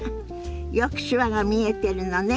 よく手話が見えてるのね。